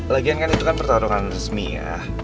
lagian kan itu kan pertarungan resmi ya